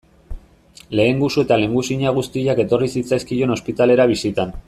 Lehengusu eta lehengusina guztiak etorri zitzaizkion ospitalera bisitan.